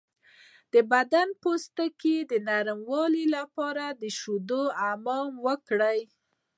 د بدن د پوستکي د نرمولو لپاره د شیدو حمام وکړئ